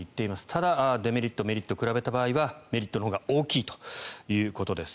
ただ、メリット、デメリットを比べた場合はメリットのほうが大きいということです。